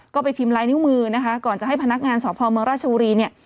ก็ไปพิมพ์ลายนิ้วมือนะคะก่อนจะให้พนักงานสอบภอมเมืองราชบุรีเนี่ย